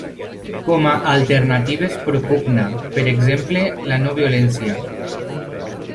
Com a alternatives propugna, per exemple, la no-violència.